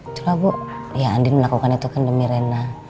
itulah bu ya andin melakukan itu kan demi rena